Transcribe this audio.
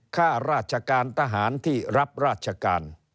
ข้าราชการทหารที่รับราชการ